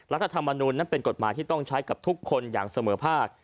รัฐธรรมนูลนั้นเป็นกฎหมายที่ต้องใช้กับทุกคนอย่างเสมอภาค